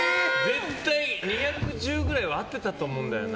絶対２１０くらいは合ってたと思うんだよな。